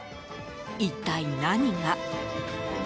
一体、何が？